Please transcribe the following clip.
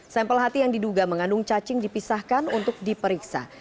sampel hati yang diduga mengandung cacing dipisahkan untuk diperiksa